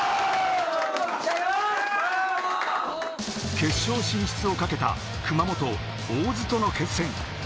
決勝進出を懸けた熊本・大津との決戦。